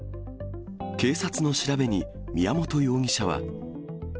警察の調べに宮本容疑者は。